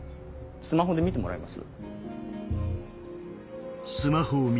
スマホで見てもらえます？